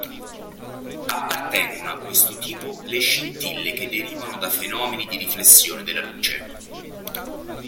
Appartengono a questo tipo le scintille che derivano da fenomeni di riflessione della luce.